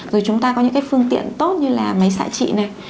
rồi chúng ta có những cái phương tiện tốt như là máy xạ trị này